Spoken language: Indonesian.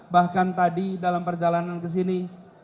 bahkan tadi dalam perjalanan kesini